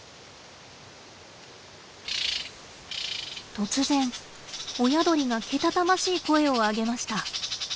突然親鳥がけたたましい声を上げました！